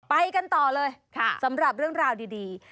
ไปกันต่อเลยสำหรับเรื่องราวดี